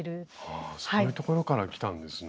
あそういうところからきたんですね。